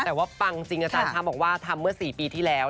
แต่ว่าปังจริงอาจารย์ช้าบอกว่าทำเมื่อ๔ปีที่แล้ว